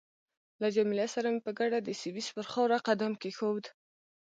له جميله سره مې په ګډه د سویس پر خاوره قدم کېښود.